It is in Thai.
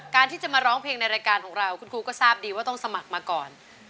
ที่จะมาร้องเพลงในรายการของเราคุณครูก็ทราบดีว่าต้องสมัครมาก่อน